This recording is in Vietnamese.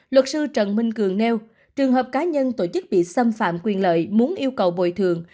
luật sư trần minh cường nêu trường hợp cá nhân tổ chức bị xâm phạm quyền lợi muốn yêu cầu bồi thường